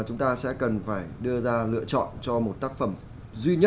tôi chỉ đang văn khoăn giữa ba cái bức ảnh